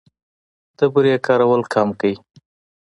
د بورې کارول کم کړئ.